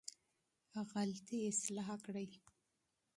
غلطي اصلاح کړې.